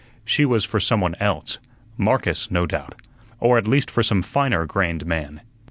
She was for someone else Marcus, no doubt or at least for some finer grained man.